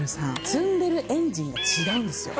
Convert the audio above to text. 積んでるエンジンが違うんですよ。